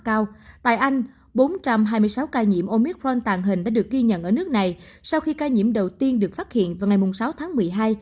cao tại anh bốn trăm hai mươi sáu ca nhiễm omicron tàn hình đã được ghi nhận ở nước này sau khi ca nhiễm đầu tiên được phát hiện vào ngày sáu tháng một mươi hai